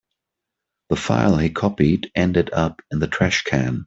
The file he copied ended up in the trash can.